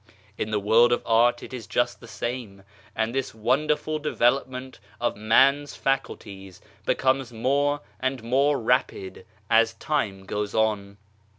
In the world of art it is just the same, and this wonder ful development of man's faculties becomes more' and more rapid as time goes on